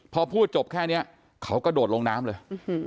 พอพูดจบแค่นี้เขากระโดดลงน้ำเลย